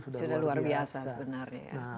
sudah luar biasa sebenarnya